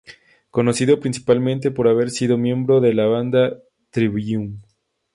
Conocido principalmente por haber sido miembro de la banda Trivium.